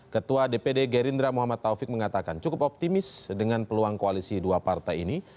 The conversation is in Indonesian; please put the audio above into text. ketua dpd gerindra muhammad taufik mengatakan cukup optimis dengan peluang koalisi dua partai ini